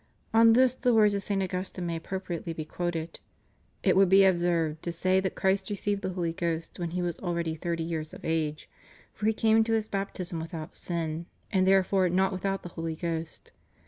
On this the words of St. Augustine may appropriately be quoted: "It would be absurd to say that Christ received the Holy Ghost when He was already thirty years of age, for He came to His Baptism without sin, and therefore not without the Holy Ghost.